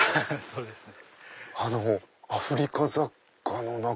そうですね。